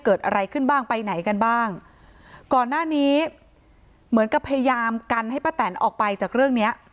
เกิดอะไรขึ้นบ้างไปไหนกันบ้างก่อนหน้านี้เหมือนกับพยายามกันให้ป้าแตนออกไปจากเรื่องเนี้ย